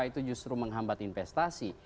itu justru menghambat investasi